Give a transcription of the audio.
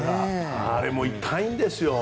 あれも痛いんですよ。